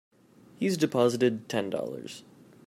He's deposited Ten Dollars.